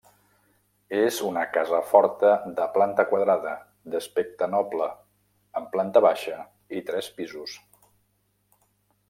És una casa forta de planta quadrada, d'aspecte noble, amb planta baixa i tres pisos.